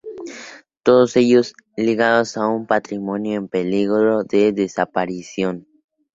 Todos ellos, ligados a un patrimonio en peligro de desaparición.